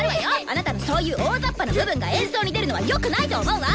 あなたのそういう大ざっぱな部分が演奏に出るのはよくないと思うわ。